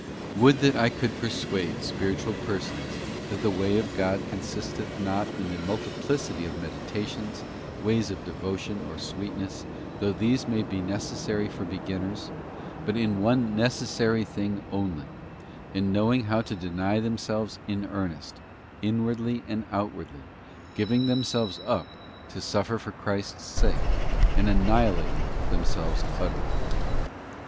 . Would that I could persuade spiritual persons that the way of God consisteth not in the multiplicity of meditations, ways of devotion or sweetness, though these may be necessary for beginners, but in one necessary thing only, in knowing how to deny themselves in earnest, inwardly and outwardly, giving themselves up to suffer for Christ's sake, and anni hilating themselves utterly.